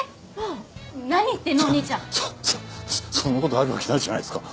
そそそそんな事あるわけないじゃないですか。